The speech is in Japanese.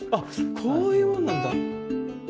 こういうもんなんだ。